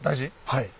はい。